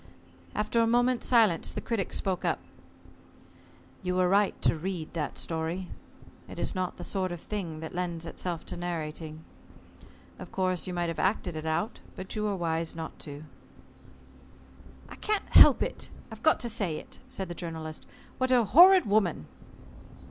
After a moment's silence the Critic spoke up. "You were right to read that story. It is not the sort of thing that lends itself to narrating. Of course you might have acted it out, but you were wise not to." "I can't help it got to say it," said the Journalist: "What a horrid woman!"